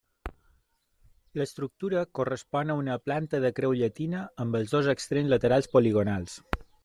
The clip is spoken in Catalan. L'estructura correspon a una planta de creu llatina amb els dos extrems laterals poligonals.